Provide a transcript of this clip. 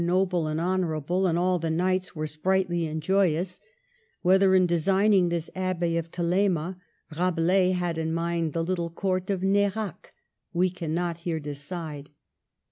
125 noble and honorable and all the knights were sprightly and joyous, — whether in designing this Abbey of Thelema, Rabelais had in mind the little Court of Nerac, we cannot here decide.